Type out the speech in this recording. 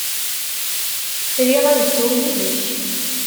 Riɣ ad dduɣ yid-k.